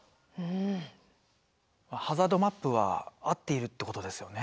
ハザードマップは合っているってことですよね。